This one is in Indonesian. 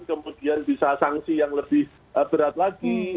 kemudian bisa sanksi yang lebih berat lagi